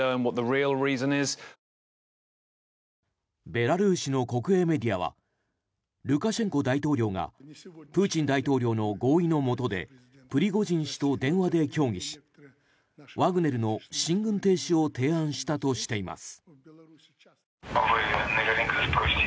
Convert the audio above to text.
ベラルーシの国営メディアはルカシェンコ大統領がプーチン大統領の合意のもとでプリゴジン氏と電話で協議しワグネルの進軍停止を提案したとしています。